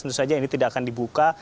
tentu saja ini tidak akan dibuka